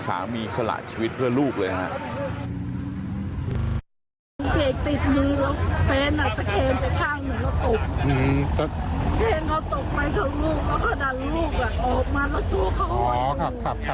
สามีสลายชีวิตเพื่อลูกเลยนะฮะ